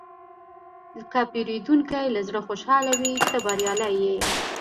که پیرودونکی له زړه خوشحاله وي، ته بریالی یې.